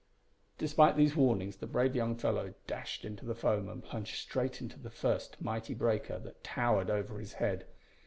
Despite these warnings the brave young fellow dashed into the foam, and plunged straight into the first mighty breaker that towered over his head.